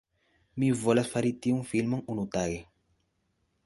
Mi volas fari tiun filmon, unutage